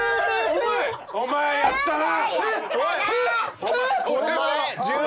お前やったな！